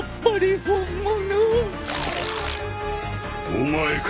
お前か？